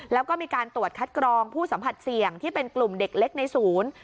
แล้วก็มีการตรวจคัดกรองผู้สัมผัสเสี่ยงที่เป็นกลุ่มเด็กเล็กในศูนย์